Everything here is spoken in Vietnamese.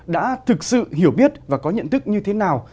đã thực sự hiểu biết và có nhận thức như thế nào